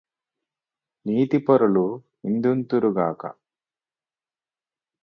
నీతిపరులు నిందింతురుగాక